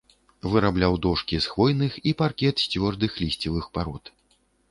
Вырабляў дошкі з хвойных і паркет з цвёрдых лісцевых парод.